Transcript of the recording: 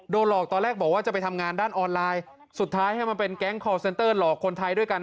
หลอกตอนแรกบอกว่าจะไปทำงานด้านออนไลน์สุดท้ายให้มาเป็นแก๊งคอร์เซ็นเตอร์หลอกคนไทยด้วยกัน